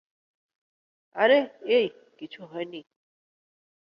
আরে, এই, কিছু হয়নি।